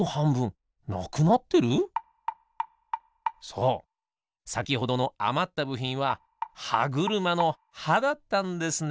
そうさきほどのあまったぶひんははぐるまのはだったんですね。